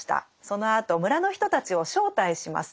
そのあと村の人たちを招待します。